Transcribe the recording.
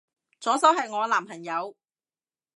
左手係我男朋友